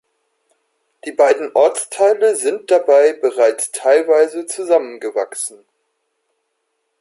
Die beiden Ortsteile sind dabei bereits teilweise zusammengewachsen.